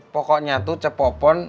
pokoknya tuh cepopon